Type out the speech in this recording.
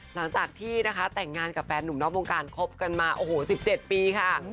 หลังจากที่แต่งงานกับแฟนหนุ่มน้องวงการครบกันมา๑๗ปีค่ะ